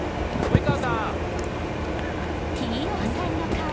及川さん。